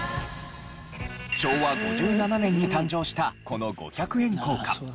昭和５７年に誕生したこの５００円硬貨。